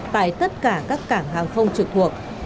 tại tất cả các cảng hàng không trực thuộc